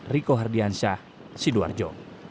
riko hardiansyah sidoarjo